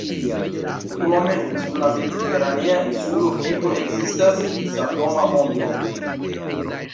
Krome, sur la mediteranea insulo Kipro ekzistas samnoma monto.